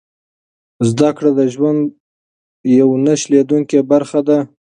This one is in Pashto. زده کړه د ژوند یوه نه شلېدونکې برخه ده.